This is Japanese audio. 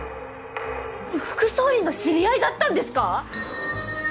副総理の知り合いだったんですか！？